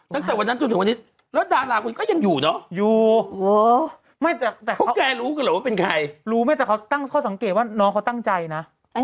ตั้งแต่วันนั้นจนถึงวันนี้